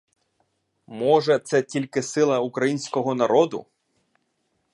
Може, це тільки сила українського народу.